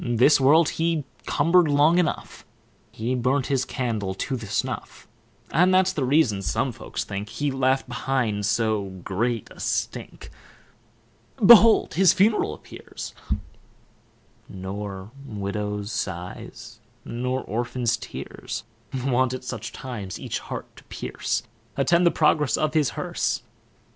This world he cumber'd long enough; He burnt his candle to the snuff; And that's the reason, some folks think, He left behind so great a stink. Behold his funeral appears, Nor widow's sighs, nor orphan's tears, Wont at such times each heart to pierce, Attend the progress of his hearse.